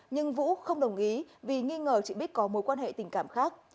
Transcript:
nhưng vũ không đồng ý vì nghi ngờ chị bích có mối quan hệ tình cảm khác